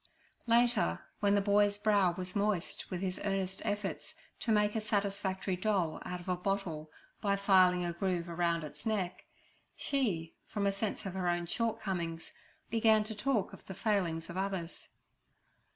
Later, when the boy's brow was moist with his earnest efforts to make a satisfactory doll out of a bottle by filing a groove round its neck, she, from a sense of her own shortcomings, began to talk of the failings of others.